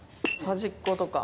端っことか。